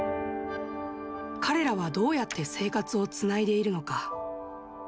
彼らはどうやって生活をつないでいるのか。